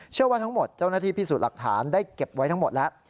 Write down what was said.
เชื่อว่าทั้งหมดเจ้าหน้าที่พิสูจน์หลักฐานได้เก็บไว้ทั้งหมดแล้ว